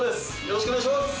よろしくお願いします。